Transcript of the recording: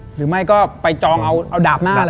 หรือไม่ก็ไปจองเอาดาบหน้าเลย